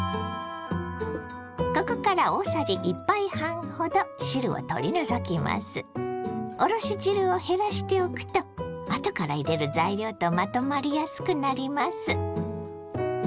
ここからおろし汁を減らしておくとあとから入れる材料とまとまりやすくなります。